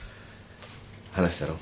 話したろ？